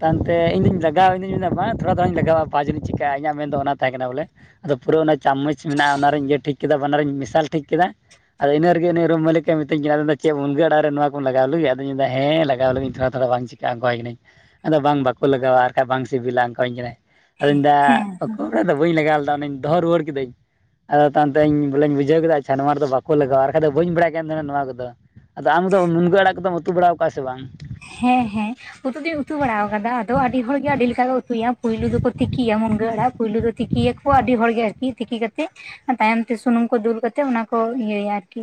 Speaker 2: ᱛᱟᱭᱚᱢ ᱛᱮ ᱤᱧ ᱫᱩᱧ ᱞᱟᱜᱟᱣ ᱤᱧ ᱫᱩᱧ ᱢᱮᱱᱫᱟ ᱵᱟᱝ ᱛᱷᱚᱲᱟ ᱫᱷᱟᱣ ᱤᱧ ᱞᱟᱜᱟᱣᱟ ᱯᱟᱸᱪᱚᱱᱤᱧ [unintelligible] ᱪᱤᱠᱟᱹᱜᱼᱟ ᱤᱧᱟᱹᱜ ᱢᱮᱱᱫᱚ ᱚᱱᱟ ᱛᱟᱦᱮᱸ ᱠᱟᱱᱟ ᱵᱚᱞᱮ ᱟᱫᱚ ᱯᱩᱨᱟᱹ ᱚᱱᱟ ᱪᱟᱢᱚᱪ ᱢᱮᱱᱟᱜᱼᱟ ᱚᱱᱟᱨᱮᱧ ᱤᱭᱟᱹ ᱴᱷᱤᱠ ᱠᱮᱫᱟ ᱵᱟᱱᱟᱨᱤᱧ ᱢᱮᱥᱟ ᱴᱷᱤᱠ ᱠᱮᱫᱟ ᱟᱫᱚ ᱤᱱᱟᱹ ᱨᱮᱜᱮ ᱩᱱᱤ ᱨᱩᱢ ᱢᱟᱹᱞᱤᱠ ᱮ ᱢᱤᱛᱟᱹᱧ ᱠᱟᱱᱟ ᱟᱫᱚ ᱪᱮᱫ ᱢᱩᱱᱜᱟᱹ ᱟᱲᱟᱜ ᱨᱮ ᱱᱚᱣᱟ ᱠᱚᱢ ᱞᱟᱜᱟᱣ ᱞᱟᱹᱜᱤᱫ ᱟᱫᱚᱧ ᱢᱮᱱᱫᱟ ᱦᱮ ᱞᱟᱜᱟᱣ ᱞᱟᱹᱜᱤᱫ ᱤᱧ ᱛᱷᱚᱲᱟ ᱛᱷᱟᱲᱟ ᱵᱟᱝ ᱪᱤᱠ ᱚᱝᱠᱟᱣᱟᱣ ᱠᱟᱹᱱᱟᱹᱧ ᱟᱫᱚ ᱵᱟᱝ ᱵᱟᱠᱚ ᱞᱟᱜᱟᱣᱟ ᱟᱨ ᱠᱷᱟᱡ ᱵᱟᱝ ᱥᱤᱵᱤᱞᱟ ᱚᱝᱠᱟᱣᱟᱹᱧ ᱠᱟᱱᱟᱭ ᱟᱫᱚᱧ ᱢᱮᱱᱫᱟ
Speaker 1: ᱦᱮᱸ
Speaker 2: ᱵᱟᱠᱚ ᱟᱫᱚ ᱵᱟᱹᱧ ᱞᱟᱜᱟᱣ ᱞᱮᱫᱟ ᱚᱱᱟᱧ ᱫᱚᱦᱚ ᱨᱩᱣᱟᱹᱲ ᱠᱤᱫᱟᱹᱧ ᱟᱫᱚ ᱛᱟᱭᱚᱢ ᱛᱮ ᱤᱧ ᱵᱚᱞᱮᱧ ᱵᱩᱡᱟᱹᱣ ᱠᱮᱫᱟ ᱟᱪᱪᱷᱟ ᱱᱚᱣᱟ ᱨᱮ ᱫᱚ ᱵᱟᱠᱚ ᱞᱟᱜᱟᱣᱟ ᱵᱟᱠᱷᱟᱡ ᱫᱚ ᱵᱟᱹᱧ ᱵᱟᱲᱟᱭ ᱠᱟᱱ ᱛᱟᱦᱮᱱᱟ ᱱᱚᱣᱟ ᱠᱚ ᱫᱚ ᱟᱫᱚ ᱟᱢ ᱫᱚ ᱢᱩᱱᱜᱟᱹ ᱟᱲᱟᱜ ᱠᱚᱫᱚᱢ ᱩᱛᱩ ᱵᱟᱲᱟᱣ ᱟᱠᱟᱜᱼᱟ ᱥᱮ ᱵᱟᱝ?...
Speaker 1: ᱦᱮᱸ ᱦᱮᱸ ᱩᱛᱩ ᱫᱚᱧ ᱩᱛᱩ ᱵᱟᱲᱟᱣ ᱟᱠᱟᱫᱟ ᱟᱫᱚ ᱟᱹᱰᱤ ᱦᱚᱲᱜᱮ ᱟᱹᱰᱤ ᱞᱮᱠᱟ ᱠᱚ ᱩᱛᱩᱭᱟ ᱯᱩᱭᱞᱩ ᱫᱚᱠᱚ ᱛᱤᱠᱤᱭᱟ ᱢᱩᱱᱜᱟᱹ ᱟᱲᱟᱜ ᱯᱩᱭᱞᱩ ᱫᱚ ᱛᱤᱠᱤ ᱤᱭᱟᱹᱠᱚᱣᱟᱜ ᱟᱹᱰᱤ ᱦᱚᱲᱜᱮ ᱟᱨᱠᱤ ᱛᱤᱠᱤ ᱠᱟᱛᱮᱫ ᱛᱟᱭᱚᱢ ᱛᱮ ᱥᱩᱱᱩᱢ ᱠᱚ ᱫᱩᱞ ᱠᱟᱛᱮ ᱚᱱᱟ ᱠᱚ ᱤᱭᱟᱹᱭᱟ ᱟᱨᱠᱤ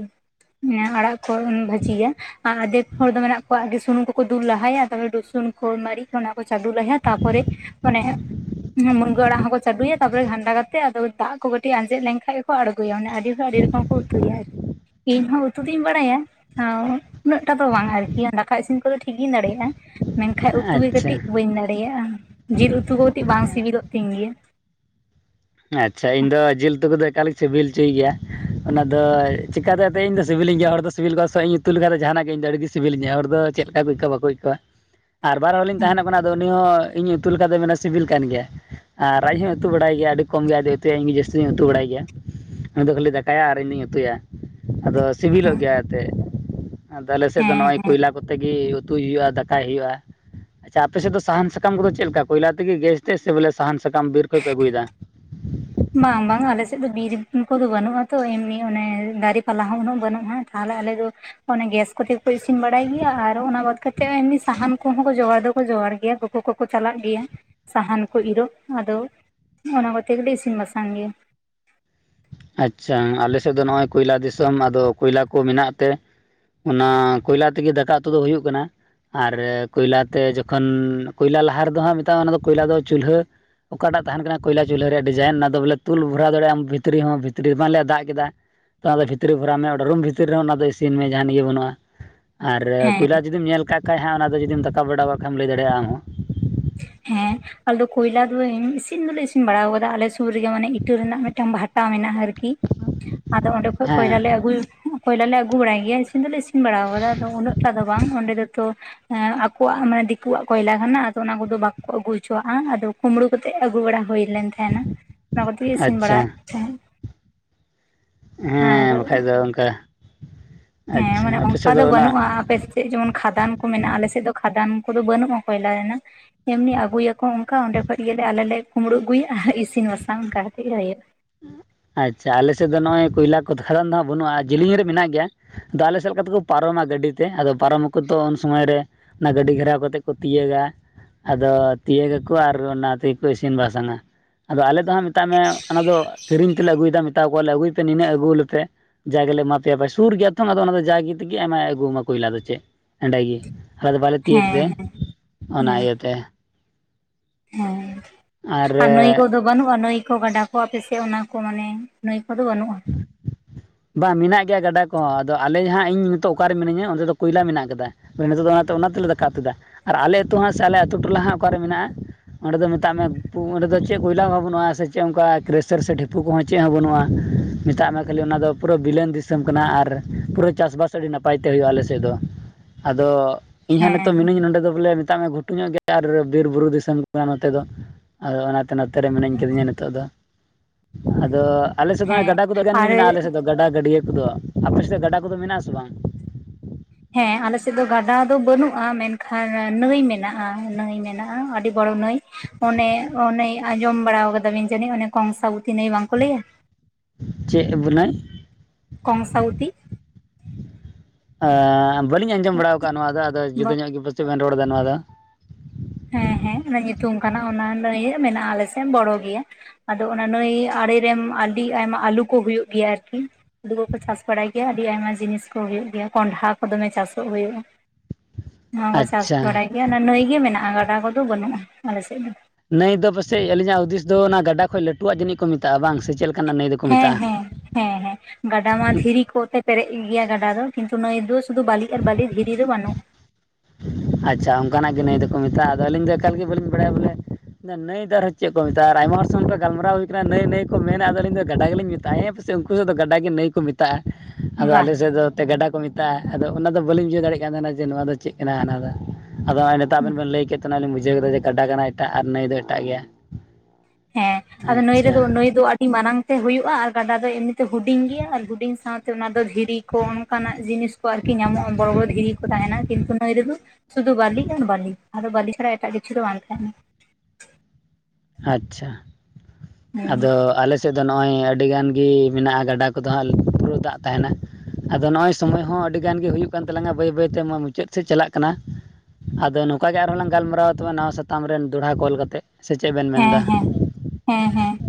Speaker 1: ᱦᱮᱸ ᱟᱲᱟᱜ ᱠᱚ ᱵᱷᱟᱹᱡᱤᱭᱟ ᱟ ᱟᱫᱷᱮᱠ ᱦᱚᱲ ᱫᱚ ᱢᱮᱱᱟᱜ ᱠᱚᱣᱟ ᱟᱜᱮ ᱥᱩᱱᱩᱢ ᱠᱚ ᱫᱩᱞ ᱞᱟᱦᱟᱭᱟ ᱛᱟᱯᱚᱨᱮ ᱨᱚᱥᱩᱱ ᱠᱚ ᱢᱟᱹᱨᱤᱪ ᱚᱱᱟ ᱠᱚ ᱪᱟᱰᱳ ᱞᱟᱦᱟᱭᱟ ᱛᱟᱯᱚᱨᱮ ᱟᱱᱮ ᱢᱩᱱᱜᱟᱹ ᱟᱲᱟᱜ ᱦᱚᱸ ᱪᱟᱰᱩᱭᱟ ᱛᱟᱯᱚᱨᱮ ᱜᱟᱱᱰᱟ ᱠᱟᱛᱮᱜ ᱟᱫᱚ ᱫᱟᱜ ᱠᱚ ᱠᱟᱴᱤᱡ ᱟᱸᱡᱮᱫ ᱞᱮᱱᱠᱷᱟᱱ ᱜᱮᱠᱚ ᱟᱬᱜᱩᱭᱟ ᱟᱹᱰᱤ ᱟᱹᱰᱤ ᱨᱚᱠᱚᱢ ᱠᱚ ᱩᱛᱩᱭᱟ ᱟᱨᱠᱤ ᱤᱧᱦᱚᱸ ᱩᱛᱩ ᱫᱩᱧ ᱵᱟᱲᱟᱭᱟ ᱦᱚᱭ ᱩᱱᱟᱹᱜ ᱴᱟ ᱫᱚ ᱵᱟᱝ ᱟᱨᱠᱤ ᱫᱟᱠᱟ ᱤᱥᱤᱱ ᱠᱚᱫᱚ ᱴᱷᱤᱠ ᱜᱤᱧ ᱫᱟᱲᱮᱭᱟᱜᱼᱟ ᱢᱮᱱᱠᱷᱟᱡ ᱩᱛᱩᱜᱮ
Speaker 2: ᱟᱪᱪᱷᱟ
Speaker 1: ᱠᱟᱹᱴᱤᱡ ᱵᱟᱹᱧ ᱫᱟᱲᱮᱭᱟᱜᱼᱟ ᱡᱤᱞ ᱩᱛᱩ ᱠᱚ ᱠᱟᱹᱴᱤᱡ ᱵᱟᱝ ᱥᱤᱵᱤᱞᱚᱜ ᱛᱤᱧ ᱜᱮᱭᱟ᱾
Speaker 2: ᱟᱪᱪᱷᱟ ᱤᱧ ᱫᱚ ᱡᱤᱞ ᱩᱛᱩ ᱠᱚᱫᱚ ᱮᱠᱟᱞᱧ ᱥᱤᱵᱤᱞ ᱚᱪᱚᱭ ᱜᱮᱭᱟ ᱚᱱᱟᱫᱚ ᱪᱤᱠᱟᱛᱮ ᱮᱱᱛᱮᱫ ᱤᱧ ᱫᱚ ᱥᱤᱵᱤᱞᱤᱧ ᱜᱮᱭᱟ ᱦᱚᱲ ᱫᱚ ᱥᱤᱵᱤᱞ ᱠᱚᱣᱟ ᱥᱮ ᱤᱧ ᱩᱛᱩ ᱞᱮᱠᱷᱟᱱᱡ ᱫᱚ ᱡᱟᱦᱱᱟᱜ ᱜᱮ ᱤᱧ ᱫᱚ ᱟᱹᱰᱤ ᱜᱮ ᱥᱤᱵᱤᱞᱤᱧᱟᱹ ᱦᱚᱲ ᱫᱚ ᱪᱮᱫᱞ ᱞᱮᱠᱟ ᱟᱹᱭᱠᱟᱹᱣᱟ ᱵᱟᱠᱳ ᱟᱹᱭᱟᱹᱠᱟᱹᱣᱟ᱾ ᱟᱨ ᱵᱟᱨ ᱦᱚᱲ ᱞᱤᱧ
Speaker 1: ᱦᱮᱸ
Speaker 2: ᱛᱟᱦᱮᱱᱟ ᱠᱟᱱᱟ ᱟᱫᱚ ᱩᱱᱤ ᱦᱚᱸ ᱤᱧ ᱩᱛᱩ ᱞᱮᱠᱟ ᱫᱚᱭ ᱢᱮ ᱥᱤᱵᱤᱞ ᱠᱟᱱ ᱜᱮᱭᱟ ᱟᱨ ᱨᱟᱡᱽ ᱦᱚᱸᱭ ᱩᱛᱩ ᱵᱟᱲᱟᱭ ᱜᱮᱭᱟ ᱟᱹᱰᱤ ᱠᱚᱢ ᱜᱮᱭᱟ ᱟᱫᱚ ᱩᱛᱩᱭᱟ ᱤᱧ ᱜᱮ ᱡᱟᱹᱥᱛᱤ ᱫᱚᱧ ᱩᱛᱩ ᱵᱟᱲᱟᱭ ᱜᱮᱭᱟ ᱩᱱᱤ ᱫᱚ ᱠᱷᱟᱹᱞᱤ ᱫᱟᱠᱟᱭ ᱟᱨ ᱤᱧᱩᱧ ᱩᱛᱩᱭᱟ᱾ ᱟᱫᱚ ᱥᱤᱵᱤᱞᱚᱜ ᱜᱮᱭᱟ ᱮᱱᱛᱮᱫ ᱟᱫᱚ ᱟᱞᱮ ᱥᱮᱫ ᱫᱚ ᱱᱚᱜᱼᱚᱭ
Speaker 1: ᱦᱮᱸ
Speaker 2: ᱠᱚᱭᱞᱟ ᱠᱚᱛᱮ ᱜᱮ ᱩᱛᱩᱭ ᱦᱩᱭᱩᱜᱼᱟ ᱫᱟᱠᱟᱭ ᱦᱩᱭᱩᱜᱼᱟ᱾ ᱟᱪᱷᱟ ᱟᱯᱮ ᱥᱮᱫ ᱫᱚ ᱥᱟᱦᱟᱱ ᱥᱟᱠᱟᱢ ᱠᱚᱫᱚ ᱪᱮᱫ ᱞᱮᱠᱟ ᱠᱚᱭᱞᱟ ᱛᱮᱜᱮ ᱜᱮᱥ ᱛᱮ ᱥᱮ ᱵᱚᱞᱮ ᱥᱟᱦᱟᱱ ᱥᱟᱠᱟᱢ ᱵᱤᱨ ᱠᱷᱚᱱᱟᱡ ᱯᱮ ᱟᱹᱜᱩ ᱭᱮᱫᱟ᱾
Speaker 1: ᱵᱟᱝ ᱵᱟᱝ ᱟᱞᱮᱥᱮᱫ ᱫᱚ ᱵᱤᱨ ᱠᱚᱫᱚ ᱵᱟᱹᱱᱩᱜᱼᱟ ᱛᱚ ᱮᱢᱱᱤ ᱚᱱᱮ ᱫᱟᱨᱮ ᱯᱟᱞᱟ ᱦᱚᱸ ᱩᱱᱟᱹᱜ ᱵᱟᱹᱱᱩᱜᱼᱟ ᱟᱞᱮ ᱟᱞᱮ ᱫᱚ ᱚᱱᱮ ᱜᱮᱥ ᱠᱚᱛᱮ ᱠᱚ ᱤᱥᱤᱱ ᱵᱟᱲᱟᱭ ᱜᱮᱭᱟ ᱟᱨ ᱚᱱᱟ ᱵᱟᱫ ᱠᱟᱛᱮᱜ ᱮᱢᱱᱤ ᱥᱟᱦᱟᱱ ᱠᱚᱦᱚᱸ ᱠᱚ ᱡᱚᱜᱟᱲ ᱫᱚᱠᱚ ᱡᱚᱜᱟᱲ ᱜᱮᱭᱟ ᱦᱟᱹᱠᱩ ᱠᱚᱠᱚ ᱪᱟᱞᱟᱜ ᱜᱮᱭᱟ ᱥᱟᱦᱟᱱ ᱠᱚ ᱤᱨᱚᱜ ᱟᱫᱚ ᱚᱱᱟ ᱠᱚᱛᱮ ᱜᱮᱞᱮ ᱤᱥᱤᱱ ᱵᱟᱥᱟᱝ ᱜᱮᱭᱟ᱾
Speaker 2: ᱟᱪᱪᱷᱟ ᱟᱞᱮᱥᱮᱫ ᱫᱚ ᱱᱚᱜᱼᱚᱭ ᱠᱚᱭᱞᱟ ᱫᱤᱥᱚᱢ ᱟᱫᱚ ᱠᱚᱭᱞᱟ ᱠᱚ ᱢᱮᱱᱟᱜ ᱛᱮ ᱚᱱᱟᱻ ᱠᱚᱭᱞᱟ ᱛᱮᱜᱮ ᱫᱟᱠᱟ ᱩᱛᱩ ᱫᱚ ᱦᱩᱭᱩᱜ ᱠᱟᱱᱟ᱾ ᱟᱨ ᱠᱚᱭᱞᱟᱛᱮ ᱡᱚᱠᱷᱚᱱ ᱠᱚᱭᱞᱟ ᱞᱟᱦᱟ ᱨᱮᱫᱚ ᱦᱟᱸᱜ ᱢᱮᱛᱟᱜᱼᱟ ᱚᱱᱟ ᱫᱚ ᱠᱚᱭᱞᱟ ᱫᱚ ᱪᱩᱞᱦᱟᱹ ᱚᱠᱟᱴᱟᱜ ᱛᱟᱦᱮᱱ ᱠᱟᱱᱟ ᱠᱚᱭᱞᱟ ᱪᱩᱞᱦᱟᱹ ᱨᱮᱭᱟᱜ ᱰᱤᱡᱟᱭᱤᱱ ᱚᱱᱟ ᱫᱚ ᱵᱚᱞᱮ ᱛᱩᱞ ᱵᱷᱚᱨᱟᱣ ᱫᱟᱲᱮᱭᱟᱜ ᱟᱢ ᱵᱷᱤᱛᱨᱤ ᱦᱚᱸ ᱵᱷᱤᱛᱨᱤ ᱵᱟᱝᱞᱮ ᱫᱟᱜ ᱠᱮᱫᱟ ᱚᱱᱟᱫᱚ ᱵᱷᱤᱛᱨᱤ ᱨᱮ ᱵᱷᱚᱨᱟᱣ ᱢᱮ ᱚᱱᱟ ᱨᱩᱢ ᱵᱷᱤᱛᱨᱤ ᱨᱮᱦ ᱚᱱᱟ ᱫᱚ ᱤᱭᱟᱹ ᱢᱮ ᱡᱟᱦᱟᱱ ᱤᱭᱮ ᱵᱟᱹᱱᱩᱜᱼᱟ ᱟᱨ ᱠᱚᱭᱞᱟ
Speaker 1: ᱦᱮᱸ
Speaker 2: ᱡᱩᱫᱤᱢ ᱧᱮᱞ ᱠᱟᱜ ᱠᱷᱟᱡ ᱚᱱᱟ ᱫᱚ ᱡᱩᱫᱤᱢ ᱫᱟᱠᱟ ᱵᱟᱲᱟᱟᱣ ᱠᱟᱜ ᱠᱷᱟᱱᱢ ᱞᱟᱹᱭ ᱫᱟᱲᱮᱭᱟᱜᱼᱟ ᱦᱚᱸ
Speaker 1: ᱦᱮᱸ ᱟᱫᱚ ᱠᱚᱭᱞᱟ ᱫᱚ ᱤᱥᱤᱱ ᱫᱚᱞᱮ ᱤᱥᱤᱱ ᱵᱟᱲᱟ ᱟᱠᱟᱫᱟ ᱟᱞᱮ ᱥᱩᱨ ᱨᱮᱜᱮ ᱢᱟᱱᱮ ᱤᱴᱟᱹ ᱨᱮᱱᱟᱜ ᱢᱤᱫᱴᱟᱝ ᱵᱷᱟᱴᱟ ᱢᱮᱱᱟᱜᱼᱟ ᱟᱨᱠᱤ ᱟᱫᱚ ᱚᱸᱰᱮ ᱠᱷᱚᱡ ᱠᱚᱭᱞᱟ
Speaker 2: ᱦᱮᱸ
Speaker 1: ᱞᱮᱩ ᱠᱚᱭᱞᱟ ᱞᱮ ᱟᱹᱜᱩ ᱵᱟᱲᱟᱭ ᱜᱮᱭᱟ ᱤᱥᱤᱱ ᱫᱚᱞᱮ ᱤᱥᱤᱱ ᱤᱥᱤᱱ ᱵᱟᱲᱟ ᱟᱠᱟᱫᱟ ᱟᱫᱚ ᱩᱱᱟᱹᱜ ᱴᱟᱜ ᱫᱚ ᱵᱟᱝ ᱚᱸᱰᱮ ᱫᱚᱛᱚᱸ ᱟᱠᱚᱣᱟᱜ ᱢᱟᱱᱮ ᱫᱤᱠᱩᱣᱟᱜ ᱠᱚᱭᱞᱟ ᱠᱟᱱᱟ᱾ ᱚᱱᱟ ᱠᱚᱫᱚ ᱵᱟᱠᱚ ᱟᱹᱜᱩ ᱦᱚᱪᱚᱣᱟᱜᱼᱟ ᱟᱫᱚ ᱠᱩᱢᱵᱽᱲᱩ ᱠᱟᱛᱮᱮᱫ ᱟᱹᱜᱩ ᱵᱟᱲᱟ ᱦᱩᱭ ᱞᱮᱱ ᱛᱟᱦᱮᱱᱟ᱾ ᱚᱱᱟ ᱠᱚᱛᱮᱜᱮ ᱤᱥᱤᱱ
Speaker 2: ᱟᱪᱪᱷᱟ
Speaker 1: ᱵᱟᱲᱟᱭᱮᱫ ᱛᱟᱦᱮᱸᱱ
Speaker 2: ᱦᱮᱸ ᱵᱟᱠᱷᱟᱡ ᱫᱚ ᱚᱱᱠᱟ
Speaker 1: ᱦᱮᱻ
Speaker 2: ᱟᱪᱪᱷᱟ
Speaker 1: ᱢᱟᱱᱮ
Speaker 2: ᱟᱯᱮ
Speaker 1: ᱚᱱᱠᱟ
Speaker 2: ᱥᱮᱫ
Speaker 1: ᱫᱚ
Speaker 2: ᱚᱱᱟ
Speaker 1: ᱵᱟᱹᱱᱩᱜᱼᱟ ᱟᱯᱮᱥᱮᱫ ᱡᱮᱢᱚᱱ ᱠᱷᱟᱫᱟᱱ ᱠᱚ ᱢᱮᱱᱟᱜᱼᱟ ᱟᱞᱮᱥᱮᱫ ᱫᱚ ᱠᱷᱟᱫᱟᱱ ᱠᱚᱫᱚ ᱵᱟᱹᱱᱩᱜᱼᱟ ᱠᱚᱭᱞᱟ ᱨᱮᱱᱟᱜ ᱮᱢᱱᱤ ᱟᱹᱜᱩᱭᱟᱠᱚ ᱚᱱᱠᱟ ᱚᱸᱰᱮ ᱠᱷᱚᱡ ᱜᱮᱞᱮ ᱟᱞᱮᱞᱮ ᱞᱮ ᱠᱩᱢᱵᱽᱲᱩ ᱟᱹᱜᱩᱭᱟ ᱤᱥᱤᱱ ᱵᱟᱥᱟᱝ ᱚᱱᱠᱟ ᱠᱟᱛᱮᱜ ᱜᱮ ᱦᱩᱭᱩᱜᱼᱟ᱾
Speaker 2: ᱟᱪᱪᱷᱟ ᱟᱞᱮᱥᱮᱫ ᱫᱚ ᱱᱚᱜᱼᱚᱭ ᱠᱚᱭᱞᱟ ᱠᱚ ᱠᱷᱟᱫᱟᱱ ᱫᱚᱦᱟᱜ ᱵᱟᱹᱱᱩᱜᱼᱟ ᱡᱮᱞᱤᱭᱟᱹ ᱨᱮ ᱢᱮᱱᱟᱜ ᱜᱮᱭᱟ᱾ ᱟᱫᱚ ᱟᱞᱮ ᱥᱮᱫ ᱠᱟᱛᱮ ᱠᱚ ᱯᱟᱨᱚᱢᱟ ᱜᱟᱹᱰᱤ ᱛᱮ ᱟᱫᱚ ᱯᱟᱨᱚᱢᱟ ᱟᱠᱚ ᱛᱚ ᱩᱱ ᱥᱚᱢᱚᱭ ᱨᱮ ᱚᱱᱟ ᱜᱟᱺᱰᱤ ᱜᱷᱮᱨᱟᱣ ᱠᱟᱛᱮᱫ ᱠᱚ ᱛᱤᱭᱳᱜ-ᱟ᱾ ᱟᱫᱚ ᱛᱤᱭᱟᱹᱜᱟᱠᱚ ᱟᱨ ᱚᱱᱟ ᱛᱮᱜᱮ ᱠᱚ ᱤᱥᱤᱱ ᱵᱟᱥᱟᱝᱼᱟ᱾ ᱟᱫᱚ ᱟᱞᱮ ᱫᱚ ᱦᱟᱸᱜ ᱢᱮᱛᱟᱜ ᱢᱮ ᱚᱱᱟ ᱫᱚ ᱠᱤᱨᱤᱧ ᱛᱮᱞᱮ ᱟᱹᱜᱩᱭᱮᱫᱟ ᱢᱮᱛᱟ ᱠᱚᱣᱟᱮ ᱟᱹᱜᱩᱭ ᱯᱮ ᱱᱤᱱᱟᱹᱜ ᱟᱹᱜᱩ ᱟᱞᱮᱯᱮ ᱡᱟᱜᱮᱞᱮ ᱮᱢᱟᱯᱮᱭᱟᱯᱟᱭ ᱥᱩᱨ ᱜᱮᱭᱟ ᱛᱷᱚ ᱟᱫᱚ ᱚᱱᱟ ᱫᱚ ᱡᱟᱜᱮ ᱛᱮᱜᱮ ᱮᱢᱟᱭ ᱟᱹᱜᱩᱣᱟᱢᱟ ᱠᱚᱭᱞᱟ ᱫᱚ ᱪᱮᱫ ᱮᱸᱰᱮ ᱜᱮ ᱟᱞᱫᱚ ᱵᱟᱞᱮ ᱛᱤᱭᱳᱜ ᱛᱮ
Speaker 1: ᱦᱮᱸ ᱦᱮᱸ
Speaker 2: ᱚᱱᱟ ᱤᱭᱟᱹᱛᱮ
Speaker 1: ᱦᱮᱸᱻ ᱟᱨ ᱱᱟᱹᱭ ᱠᱚᱫᱚ ᱵᱟᱹᱱᱩᱜᱼᱟ ᱱᱟᱹᱭ ᱠᱚ ᱜᱟᱰᱟ ᱠᱚ ᱟᱯᱮᱥᱮᱫ ᱚᱱᱟ ᱠᱚ ᱢᱟᱱᱮ ᱱᱟᱹᱭ ᱠᱚᱫᱚ ᱵᱟᱹᱱᱩᱜᱼᱟ
Speaker 2: ᱵᱟᱝ ᱢᱮᱱᱟᱜ ᱜᱮᱭᱟ ᱜᱟᱰᱟ ᱠᱚᱦᱚᱸ ᱟᱫᱚ ᱟᱞᱮ ᱡᱟᱦᱟᱸᱟᱸᱜ ᱤᱧ ᱱᱤᱛᱚᱜ ᱚᱠᱟᱨᱮ ᱢᱤᱱᱟᱹᱧᱟ ᱚᱚᱱᱰᱮ ᱫᱚ ᱠᱚᱭᱞᱟ ᱢᱮᱱᱟᱜ ᱟᱠᱟᱫᱟ᱾ ᱱᱤᱛᱚᱜ ᱫᱚ ᱚᱱᱟᱛᱮ ᱚᱱᱟ ᱛᱮᱞᱮ ᱫᱟᱠᱟᱵ ᱩᱛᱩᱟ ᱟᱨ ᱟᱞᱮ ᱟᱹᱛᱩ ᱦᱚᱸ ᱥᱮ ᱟᱞᱮ ᱟ ᱟᱹᱛᱩ ᱴᱚᱞᱟ ᱦ ᱚᱠᱟᱨᱮ ᱢᱮᱱᱟᱜᱼᱟ ᱚᱸᱰᱮ ᱫᱚ ᱢᱮᱛᱟᱜ ᱢᱮ ᱚᱸᱰᱮ ᱫᱚ ᱪᱮᱫ ᱠᱚᱭᱞᱟ ᱵ ᱵᱟᱹᱱᱩᱜᱼᱟ ᱥᱮ ᱪᱮᱫ ᱚᱱᱠᱟ ᱠᱨᱮᱥᱟᱨ ᱥᱮ ᱰᱷᱤᱯᱩ ᱠᱚᱦᱚᱸ ᱪᱮᱫ ᱦᱚᱸ ᱵᱟᱹᱱᱩᱜᱼᱟ ᱢᱮᱛᱟᱜ ᱢᱮ ᱠᱷᱟᱹᱞᱤ ᱚᱱᱟ ᱫᱚ ᱯᱩᱨᱟᱹ ᱵᱤᱞᱚᱱ ᱫᱤᱥᱚᱢ ᱠᱟᱱᱟ ᱟᱨ ᱯᱩᱨᱟᱹ ᱪᱟᱥᱵᱟᱥ ᱟᱹᱰᱤ ᱱᱟᱯᱟᱭ ᱛᱮ ᱦᱩᱭᱩᱜᱼᱟ ᱟᱞᱮ ᱥᱮᱫ ᱫᱚ᱾ ᱟᱫᱚ ᱤᱧ ᱦᱟᱸᱜ
Speaker 1: ᱦᱮᱸ
Speaker 2: ᱱᱤᱛᱚᱜ ᱢᱤᱱᱟᱹᱧ ᱱᱚᱰᱮ ᱫᱚ ᱵᱚᱞᱮ ᱥᱮᱛᱟᱜᱮ ᱜᱷᱩᱴᱩ ᱧᱚᱜ ᱜᱮᱭᱟ ᱟᱨ ᱵᱤᱨᱼ ᱵᱩᱨᱩ ᱫᱤᱥᱚᱢ ᱠᱟᱱᱟ ᱱᱚᱛᱮ ᱫᱚ ᱟᱫᱚ ᱚᱱᱟᱛᱮ ᱱᱚᱛᱮᱨᱮ ᱢᱤᱱᱟᱹᱧ ᱠᱟᱹᱫᱤᱧᱟ ᱱᱤᱛᱳᱜ ᱫᱚ ᱟᱫᱚ ᱟᱞᱮᱥᱮᱫ ᱫᱚ
Speaker 1: ᱦᱮᱸ
Speaker 2: ᱜᱟᱰᱟ ᱠᱚᱫᱚ ᱜᱟᱱ ᱜᱮ
Speaker 1: ᱟᱨ
Speaker 2: ᱢᱮᱱᱟᱜᱼᱟ ᱟᱞᱮᱹᱮᱥᱮᱫ ᱫᱚ ᱜᱟᱰᱟ ᱜᱟᱹᱰᱭᱟᱹᱠᱚᱫᱚ ᱟᱯᱮᱥᱮᱫ ᱜᱟᱰᱟ ᱠᱚᱫᱚ ᱢᱮᱱᱟᱜᱼᱟᱥᱮ ᱵᱟᱝ ᱟ?
Speaker 1: ᱦᱮᱸ ᱟᱞᱮᱥᱮᱫ ᱫᱚ ᱜᱟᱰᱟ ᱫᱚ ᱵᱟᱹᱱᱩᱜᱼᱟ ᱢᱮᱱᱠᱷᱟᱱ ᱱᱟᱹᱭ ᱢᱮᱱᱟᱜᱼᱟ ᱱᱟᱹᱭ ᱢᱮᱱᱟᱜᱼᱟ ᱟᱹᱰᱤ ᱵᱚᱲᱚ ᱱᱟᱹᱭ ᱚᱱᱮ ᱚᱱᱮ ᱟᱸᱡᱚᱢ ᱵᱟᱲᱟ ᱠᱟᱫᱟ ᱵᱤᱱ ᱡᱟᱹᱱᱤᱡ ᱚᱱᱮ ᱠᱚᱝᱥᱟᱵᱩᱚᱛᱤ ᱱᱟᱹᱭ ᱵᱟᱝᱠᱚ ᱞᱟᱹᱭᱟ?
Speaker 2: ᱪᱮᱫ ᱵᱚᱱᱟᱭ?
Speaker 1: ᱠᱚᱝᱥᱚᱵᱚᱛᱤ᱾
Speaker 2: ᱟᱹᱻ ᱵᱟᱹᱞᱤᱧ ᱟᱸᱡᱚᱢ ᱵᱟᱲᱟ ᱠᱟᱜᱼᱟ ᱱᱚᱣᱟ ᱫᱚ ᱟᱫᱚ ᱡᱩᱫᱟᱹ
Speaker 1: ᱵᱟᱝ?
Speaker 2: ᱧᱚᱜ ᱜᱮ ᱯᱟᱥᱮᱫ ᱵᱮᱱ ᱨᱚᱲᱫᱟ ᱱᱚᱣᱟ ᱫᱚ᱾
Speaker 1: ᱦᱮᱸ ᱦᱮᱸ ᱚᱱᱟ ᱧᱩᱛᱩᱢ ᱠᱟᱱᱟ ᱚᱱᱟ ᱱᱟᱹᱭ ᱢᱮᱱᱟᱜᱼᱟ ᱟᱞᱮᱥᱮᱫ ᱵᱚᱲᱚ ᱜᱮᱭᱟ᱾ ᱟᱫᱚ ᱚᱱᱟ ᱱᱟᱹᱭ ᱟᱲᱮᱨᱮᱢ ᱟᱹᱰᱤ ᱟᱭᱢᱟ ᱟᱞᱩ ᱠᱚ ᱦᱩᱭᱩᱜ ᱜᱮᱭᱟ ᱟᱨᱠᱤ ᱦᱩᱲᱩᱜ ᱠᱚ ᱪᱟᱥ ᱵᱟᱲᱟᱭ ᱜᱮᱭᱟ ᱟᱹᱰᱤ ᱟᱭᱢᱟ ᱡᱤᱱᱤᱥ ᱠᱚ ᱦᱩᱭᱩᱜ ᱜᱮᱭᱟ ᱠᱚᱱᱰᱦᱟ ᱠᱚ ᱫᱚᱢᱮ ᱪᱟᱥᱚᱜ ᱦᱩᱭᱩᱜᱼᱟ᱾
Speaker 2: [unintelligible]
Speaker 1: ᱱᱚᱣᱟ ᱠᱚ ᱪᱟᱥ ᱵᱟᱲᱟᱭ ᱜᱮᱭᱟ ᱚᱱᱟ ᱱᱟᱹᱭ ᱜᱮ ᱢᱮᱱᱟᱜᱼᱟ ᱜᱟᱰᱟ ᱠᱚᱫᱚ ᱵᱟᱹᱱᱩᱜᱼᱟ ᱟᱞᱮᱥᱮᱫ ᱫᱚ᱾
Speaker 2: ᱱᱟᱹᱭ ᱫᱚ ᱯᱟᱥᱮᱡ ᱟᱹᱞᱤᱧᱟᱜ ᱦᱩᱫᱤᱥ ᱫᱚ ᱚᱱᱟ ᱜᱟᱰᱟ ᱠᱷᱚᱡ ᱞᱟᱹᱴᱩᱣᱟᱜ ᱡᱟᱹᱱᱤᱡ ᱠᱚ ᱢᱮᱛᱟᱜᱼᱟ ᱵᱟᱝ ᱥᱮ ᱪᱮᱫ ᱞᱮᱠᱟᱱᱟᱜ ᱱᱟᱹᱭ ᱫᱚᱠᱚ
Speaker 1: ᱦᱮᱸ
Speaker 2: ᱢᱮᱛᱟᱜᱼᱟ
Speaker 1: ᱦᱮᱸ ᱦᱮᱸ ᱦᱮᱸ ᱜᱟᱰᱟ ᱢᱟ ᱫᱷᱤᱨᱤ ᱠᱚᱛᱮ- ᱯᱮᱨᱮᱡ ᱜᱮᱭᱟ ᱜᱟᱰᱟ ᱫᱚ ᱠᱤᱱᱛᱩ ᱱᱟᱹᱭ ᱫᱚ ᱥᱩᱫᱷᱩ ᱵᱟᱹᱞᱤ ᱟᱨ ᱵᱟᱹᱞᱤ ᱫᱷᱤᱨᱤ ᱫᱚ ᱵᱟᱹᱱᱩᱜ
Speaker 2: ᱟᱪᱪᱷᱟ ᱚᱱᱠᱟᱱᱟᱜ ᱜᱮ ᱱᱟᱹᱭ ᱫᱚᱠᱚ ᱢᱮᱛᱟᱜᱼᱟ ᱟᱫᱚ ᱟᱹᱞᱤᱧ ᱫᱚ ᱮᱠᱟᱞ ᱵᱟᱹᱞᱤᱧ ᱵᱟᱰᱟᱭᱟ ᱵᱚᱞᱮ ᱱᱟᱹᱭ ᱫᱚ ᱟᱨᱦᱚᱸ ᱪᱮᱫ ᱠᱚ ᱢᱮᱛᱟᱜᱼᱟ ᱟᱭᱢᱟ ᱦᱚᱲ ᱥᱟᱶ ᱠᱚ ᱜᱟᱞᱢᱟᱨᱟᱣ ᱦᱩᱭ ᱟᱠᱟᱱᱟ ᱱᱟᱹᱭ ᱱᱟᱹᱭ ᱠᱚᱢᱮᱱᱟ ᱟᱫᱚ ᱟᱞᱤᱧ ᱫᱚ ᱜᱟᱰᱟ ᱜᱮᱞᱤᱧ ᱢᱮᱛᱟᱜᱼᱟ ᱦᱮᱸ ᱯᱟᱥ ᱥᱮ ᱩᱱᱠᱩ ᱥᱮᱫ ᱫᱚ ᱜᱟᱰᱟ ᱜᱮ ᱱᱟᱹᱭ ᱠᱚ ᱢᱮᱛᱟᱜᱼᱟ᱾ ᱟᱫᱚ
Speaker 1: ᱵᱟ
Speaker 2: ᱟᱞᱮ ᱥᱮᱫ ᱫᱚ ᱛᱮ ᱜᱟᱰᱟ ᱠᱚ ᱢᱮᱛᱟᱜᱼᱟ ᱟᱫᱚ ᱚᱱᱟ ᱫᱚ ᱵᱟᱹᱞᱤᱧ ᱵᱩᱡᱷᱟᱹᱣ ᱫᱟᱲᱮᱠᱟᱱ ᱛᱟᱦᱮᱱᱟ ᱡᱮ ᱱᱚᱣᱟ ᱫᱚ ᱪᱮᱫ ᱠᱟᱱᱟ ᱦᱟᱱᱟ ᱫᱚ᱾ ᱟᱫᱚ ᱱᱚᱜᱼᱚᱭ ᱱᱤᱛᱟᱜ ᱟᱵᱮᱱ ᱵᱮᱱ ᱞᱟᱹᱭ ᱠᱮᱫ ᱛᱮᱞᱤᱧ ᱵᱩᱡᱷᱟᱹᱣ ᱠᱮᱫᱟ ᱡᱮ ᱠᱟᱰᱟ ᱠᱟᱱᱟ ᱮᱴᱟᱜ ᱟᱨ ᱱᱟᱹᱭ ᱫᱚ ᱮᱴᱟᱜ ᱜᱮᱭᱟ᱾
Speaker 1: ᱦᱮᱸ ᱟᱦᱚ ᱱᱩᱭ
Speaker 2: ᱟᱪᱪᱷᱟ
Speaker 1: ᱨᱮᱫᱚ ᱱᱩᱭ ᱫᱚ ᱟᱹᱰᱤ ᱟᱹᱰᱤ ᱢᱟᱨᱟᱝ ᱛᱮ ᱦᱩᱭᱩᱜᱼᱟ ᱟᱨ ᱜᱟᱰᱟ ᱫᱚ ᱮᱢᱱᱤᱛᱮ ᱦᱩᱰᱤᱧ ᱜᱮᱭᱟ ᱟᱨ ᱦᱩᱰᱤᱧ ᱥᱟᱶᱛᱮ ᱚᱱᱟ ᱫᱚ ᱫᱷᱤᱨᱤ ᱠᱚ ᱚᱱᱠᱟᱱᱟᱜ ᱡᱤᱱᱤᱥ ᱟᱨᱠᱤ ᱧᱟᱢᱚᱜᱼᱟ ᱵᱚᱲᱚ ᱵᱚᱲᱚ ᱫᱷᱤᱨᱤ ᱠᱚ ᱛᱟᱦᱮᱱᱟ ᱠᱤᱱᱛᱩ ᱱᱟᱹᱭ ᱨᱮᱫᱚ ᱥᱩᱫᱩ ᱵᱟᱞᱤᱜ ᱟ ᱵᱟᱹᱞᱤ ᱟᱨᱫᱚ ᱵᱟᱹᱞᱤ ᱪᱷᱟᱲᱟ ᱮᱴᱟᱜ ᱠᱤᱪᱷᱩ ᱫᱚ ᱵᱟᱝ ᱛᱟᱦᱮᱸᱱᱟ᱾
Speaker 2: ᱟᱪᱪᱷᱟ᱾
Speaker 1: ᱦᱮᱸ
Speaker 2: ᱟᱫᱚ ᱟᱞᱮ ᱥᱮᱫ ᱫᱚ ᱱᱚᱜᱼᱚᱭ ᱟᱹᱰᱤ ᱜᱟᱱ ᱜᱮ ᱢᱮᱱᱟᱜᱼᱟ ᱜᱟᱰᱟ ᱠᱚᱫᱚ ᱦᱟᱸᱜ ᱯᱩᱨᱟᱹ ᱫᱟᱜ ᱛᱟᱦᱮᱱᱟ᱾ ᱟᱫᱚ ᱱᱚᱜᱼᱚᱭ ᱥᱚᱢᱚᱭ ᱦᱚᱸ ᱟᱹᱰᱤᱜᱟᱱ ᱜᱮ ᱦᱩᱭᱩᱜ ᱠᱟᱱ ᱛᱟᱞᱟᱝᱟ ᱵᱟᱹᱭ ᱵᱟᱹᱭᱛᱮ ᱢᱩᱪᱟᱹᱫ ᱥᱮᱫ ᱪᱟᱞᱟᱜ ᱠᱟᱱᱟ᱾ ᱟᱫᱚ ᱱᱚᱝᱠᱟ ᱜᱮ ᱟᱨᱦᱚᱸ ᱞᱟᱝ ᱜᱟᱞᱢᱟᱨᱟᱣᱟ ᱛᱚᱵᱮ ᱱᱟᱣᱟ ᱥᱟᱛᱟᱢ ᱨᱮᱱ ᱫᱚᱦᱲᱟ ᱠᱚᱞ ᱠᱟᱛᱮᱫ ᱥᱮ ᱪᱮᱫ ᱵᱮᱱ
Speaker 1: ᱦᱮᱸ
Speaker 2: ᱢᱮᱱᱫᱟ?
Speaker 1: ᱦᱮᱸ ᱦᱮᱸ